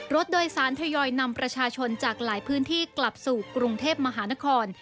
รถโดยสารทยอยนำประชาชนจากหลายพื้นที่กลับสู่กรุงเทพมหานคร